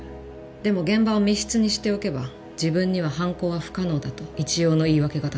でも現場を密室にしておけば自分には犯行は不可能だと一応の言い訳が立つ。